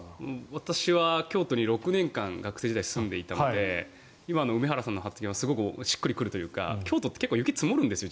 私は京都に６年間学生時代に住んでいたので今の梅原さんの発言は結構しっくり来るというか京都って実際結構、雪が積もるんです。